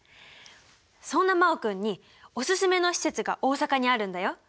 そんな真旺君におすすめの施設が大阪にあるんだよ。